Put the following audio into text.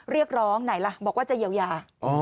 เรียกร้องไหนล่ะบอกว่าจะเยียวยา